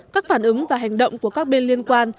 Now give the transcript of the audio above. các phản ứng và hành động của các bên liên quan